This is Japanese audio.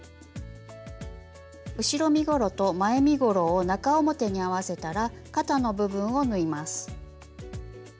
後ろ身ごろと前身ごろを中表に合わせたら肩の部分を縫います。